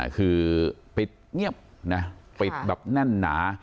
คือปิดเงียบนะปิดแบบแน่นหนา